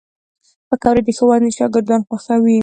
پکورې د ښوونځي شاګردان خوښوي